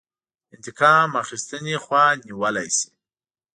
انتقام اخیستنې خوا نیولی شي.